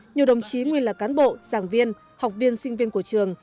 nhiều đồng chí nguyên là cán bộ giảng viên học viên sinh viên của trường